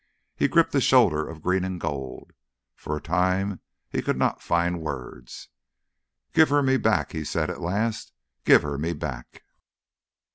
He gripped the shoulder of green and gold. For a time he could not find words. "Give her me back!" he said at last. "Give her me back!"